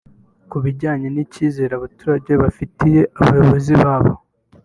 Ku bijyanye n’icyizere abaturage bafitiye abayobozi babo